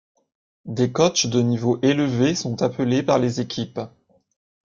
Des coachs de niveau élevé sont appelés par les équipes.